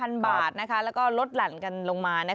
อันดับ๒ใน๕๐๐๐บาทแล้วก็ลดหลั่นกันลงมา